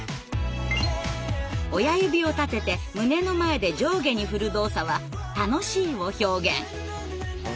親指を立てて胸の前で上下に振る動作は「楽しい」を表現。